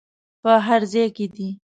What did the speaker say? په هر ځای کې دې.